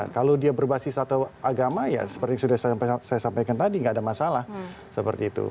kalau dia berbasis atau agama ya seperti sudah saya sampaikan tadi tidak ada masalah seperti itu